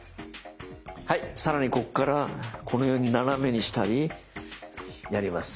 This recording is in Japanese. はい更にここからこのように斜めにしたりやります。